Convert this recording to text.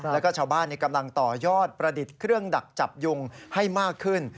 แล้วก็ชาวบ้านกำลังต่อยอดประดิษฐ์เครื่องดักจับยุงให้มากขึ้น